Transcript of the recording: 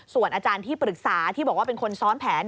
ส่วนอาจารย์ที่ปรึกษาที่บอกว่าเป็นคนซ้อนแผน